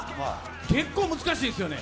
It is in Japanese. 結構難しいですよね。